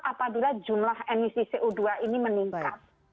apabila jumlah emisi co dua ini meningkat